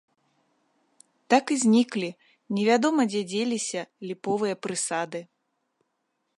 Так і зніклі, невядома дзе дзеліся, ліповыя прысады.